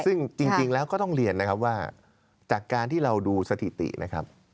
ซึ่งจริงแล้วก็ต้องเรียนนะครับว่าจากการที่เราดูสถิตินะครับ